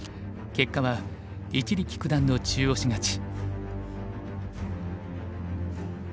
結果は一力九段の僅か半目勝ち。